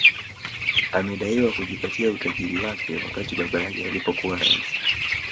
Amedaiwa kujipatia utajiri wake wakati baba yake alipokuwa rais